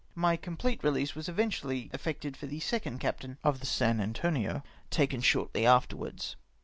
My complete release was event ually effected for the second captam of the aS;^. Antonio, taken shortly afterwards.